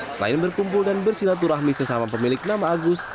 selain berkumpul dan bersilaturahmi sesama pemilik nama agus